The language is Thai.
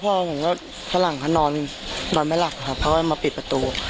พอผมก็พระหลังเกิดนอนไม่รักเลยครับเพราะมาปิดประตู